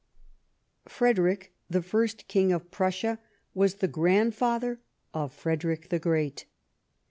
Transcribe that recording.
Frederick, the first King of Prussia, was the grand father of Frederick the Great.